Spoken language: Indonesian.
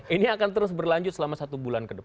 ini akan terus berlanjut selama satu bulan kedepan